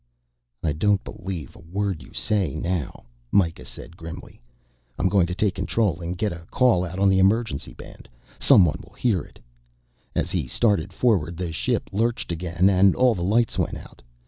"I don't believe a word you say now," Mikah said grimly. "I'm going to take control and get a call out on the emergency band. Someone will hear it." As he started forward the ship lurched again and all the lights went out.